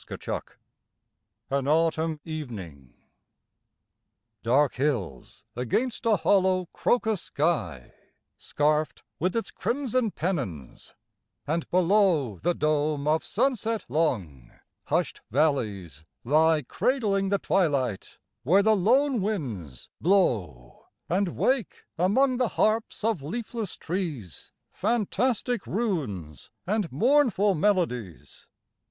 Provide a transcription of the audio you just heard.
74 AN AUTUMN EVENING Dark hills against a hollow crocus sky Scarfed with its crimson pennons, and below The dome of sunset long, hushed valleys lie Cradling the twilight, where the lone winds blow And wake among the harps of leafless trees Fantastic runes and mournful melodies.